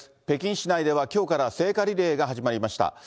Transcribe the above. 北京市内ではきょうから聖火リレーが始まりました。